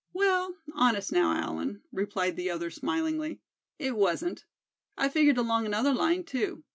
"Well, honest now, Allan," replied the other, smilingly, "it wasn't. I figured along another line too.